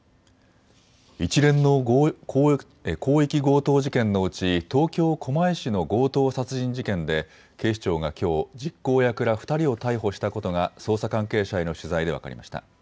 一連の広域強盗事件のうち東京狛江市の強盗殺人事件で警視庁がきょう実行役ら２人を逮捕したことが捜査関係者への取材で分かりました。